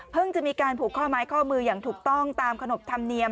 จะมีการผูกข้อไม้ข้อมืออย่างถูกต้องตามขนบธรรมเนียม